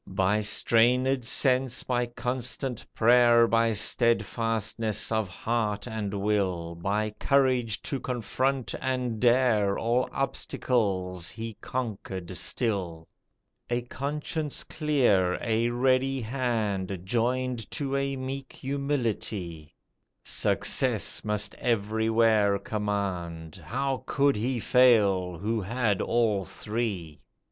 By strainèd sense, by constant prayer, By steadfastness of heart and will, By courage to confront and dare, All obstacles he conquered still; A conscience clear, a ready hand, Joined to a meek humility, Success must everywhere command, How could he fail who had all three!